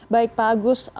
baik pak agus